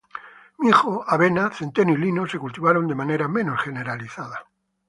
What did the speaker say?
Mijo, avena, centeno y lino se cultivaron de manera menos generalizada.